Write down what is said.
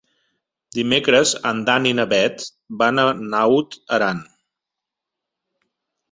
Dimecres en Dan i na Bet van a Naut Aran.